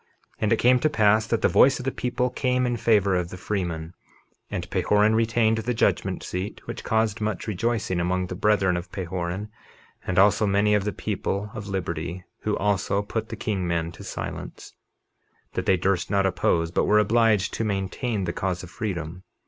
And it came to pass that the voice of the people came in favor of the freemen, and Pahoran retained the judgment seat, which caused much rejoicing among the brethren of Pahoran and also many of the people of liberty, who also put the king men to silence, that they durst not oppose but were obliged to maintain the cause of freedom.